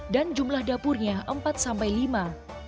dan jumlah dapurnya empat sampai lima